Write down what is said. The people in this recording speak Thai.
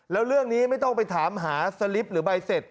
แล้วเรื่องนี้ไม่ต้องไปถามหาสลิปหรือใบเสร็จ